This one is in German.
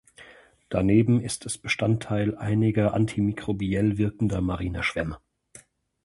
Daneben ist es Bestandteil einiger antimikrobiell wirkender mariner Schwämme.